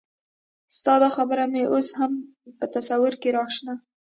ستا دا خبره مې اوس هم په تصور کې راشنه